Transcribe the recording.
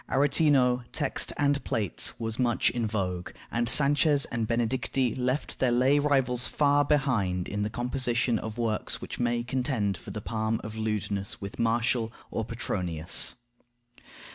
Aretino, text and plates, was much in vogue; and Sanchez and Benedicti left their lay rivals far behind in the composition of works which may contend for the palm of lewdness with Martial or Petronius.